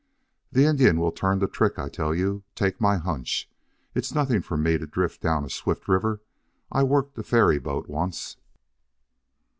"The Indian will turn the trick, I tell you. Take my hunch. It's nothing for me to drift down a swift river. I worked a ferry boat once."